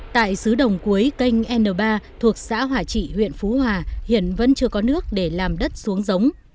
tại xứ đồng cuối canh n ba thuộc xã hòa trị huyện phú hòa hiện vẫn chưa có nước để làm đất xuống giống